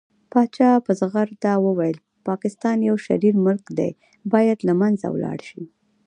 پاچا په ځغرده وويل پاکستان يو شرير ملک دى بايد له منځه ولاړ شي .